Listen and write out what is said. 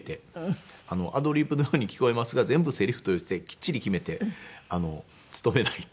アドリブのように聞こえますが全部セリフとしてきっちり決めて勤めないと。